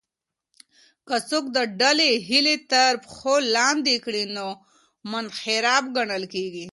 که څوک د ډلې هیلې تر پښو لاندې کړي نو منحرف ګڼل کیږي.